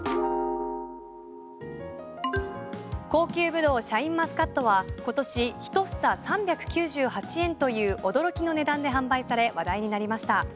高級ブドウシャインマスカットは今年、１房３９８円という驚きの値段で販売され話題になりました。